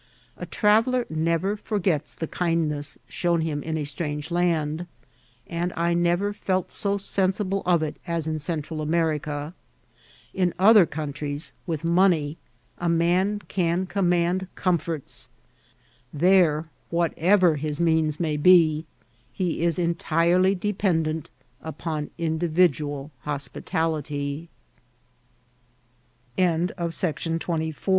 A traveller never forgets the kindness shown him in a strange land, and I never felt so sensible of it as in Central America ; in other countries, with money, a man can command com forts ; there, whatever his means may be, he is entirely dependant u